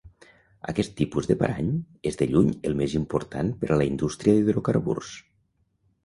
Aquest tipus de parany és de lluny el més important per a la indústria d'hidrocarburs.